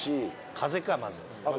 風邪かまず。